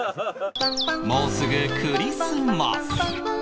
もうすぐクリスマス